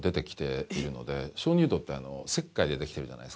鍾乳洞って石灰でできてるじゃないですか。